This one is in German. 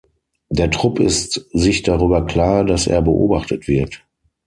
Der Trupp ist sich darüber klar, dass er beobachtet wird.